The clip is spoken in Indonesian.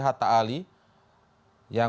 hatta ali yang